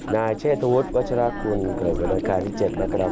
นายเชษฐุทธวัชราคุณเกิดไปโดยคายที่๗นสมรรยา๑๘